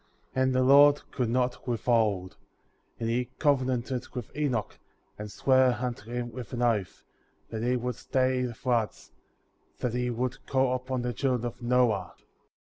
51. And the Lord could not withhold; and he covenanted with Enoch, and sware unto him with an ©ath, that he would stay the floods; that he would call upon the children of Noah ; 52.